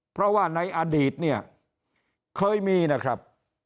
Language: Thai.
เพราะว่าในอดีตเนี่ยเคยมีนะครับ